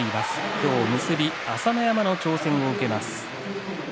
今日結び、朝乃山の挑戦を受けます。